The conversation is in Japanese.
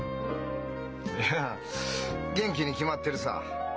いや元気に決まってるさ。